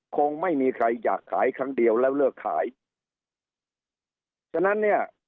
คงไม่มีใครอยากขายครั้งเดียวแล้วเลิกขายฉะนั้นเนี่ย